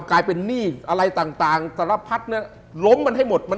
กลายเป็นหนี้อะไรต่างสรรพัฒน์ล้มมันให้หมด